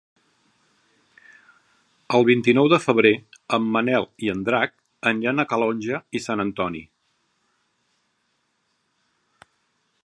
El vint-i-nou de febrer en Manel i en Drac aniran a Calonge i Sant Antoni.